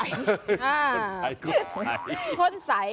อ่าข้นใส